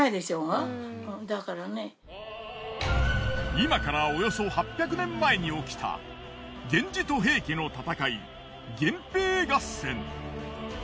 今からおよそ８００年前に起きた源氏と平家の戦い源平合戦。